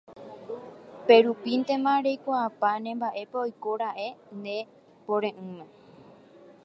pérupintema reikuaapáne mba'épa oikóra'e ne pore'ỹme